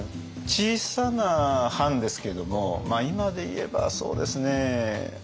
小さな藩ですけども今で言えばそうですね